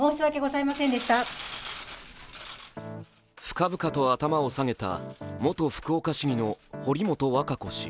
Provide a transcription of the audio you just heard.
深々と頭を下げた元福岡市議の堀本和歌子氏。